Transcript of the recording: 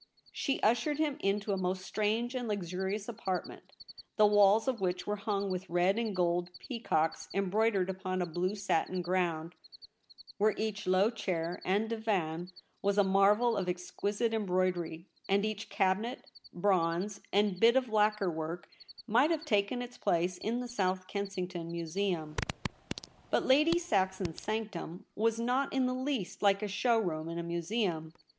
She ushered him into a most strange and luxurious apartment, the walls of which were hung with red and gold peacocks embroidered upon a blue satin ground, where each low chair and divan was a marvel of exquisite embroi dery ; and each cabinet, bronze and bit of lacquer work might have taken its place in the South Kensington Museum. But Lady Saxon's sanctum was not in the least like a show room in a museum.